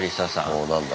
おお何だ？